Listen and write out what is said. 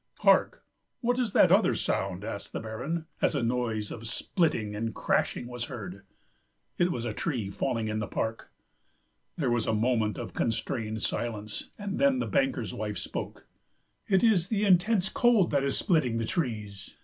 "Hark! What is that other sound?" asked the Baron, as a noise of splitting and crashing was heard. It was a tree falling in the park. There was a moment of constrained silence, and then the banker's wife spoke. "It is the intense cold that is splitting the trees.